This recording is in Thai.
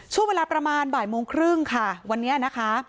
ช่วงเวลาประมาณบ่ายโมงครึ่งค่ะวันนี้นะคะ